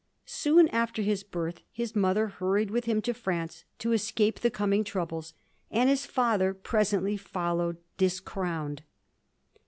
Soon after his birth his mother hurried with him to France to escape the coming troubles, and his father pre sently followed discrowned.